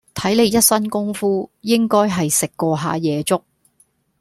睇你一身功夫，應該係食過吓夜粥